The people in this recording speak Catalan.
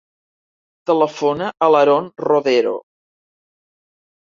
Telefona a l'Haron Rodero.